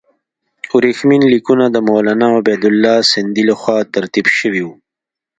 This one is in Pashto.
ورېښمین لیکونه د مولنا عبیدالله سندي له خوا ترتیب شوي وو.